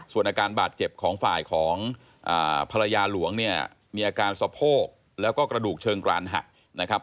ส่วนอาการบาดเจ็บของฝ่ายของภรรยาหลวงเนี่ยมีอาการสะโพกแล้วก็กระดูกเชิงกรานหักนะครับ